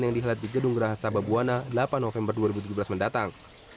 yang dihelat di gedung geraha sababwana delapan november dua ribu tujuh belas mendatang